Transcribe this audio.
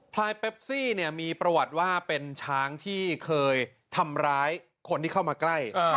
ลายเปปซี่เนี่ยมีประวัติว่าเป็นช้างที่เคยทำร้ายคนที่เข้ามาใกล้